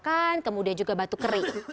nyeri tenggorokan kemudian juga batuk kering